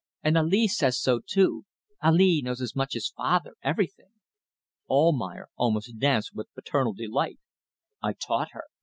And Ali says so too. Ali knows as much as father. Everything." Almayer almost danced with paternal delight. "I taught her.